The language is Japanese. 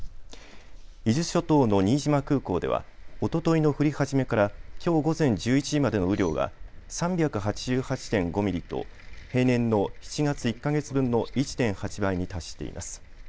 伊豆諸島の新島空港ではおとといの降り始めからきょう午前１１時までの雨量は３８８．５ミリと平年の７月１か月分の１．８倍に達しています。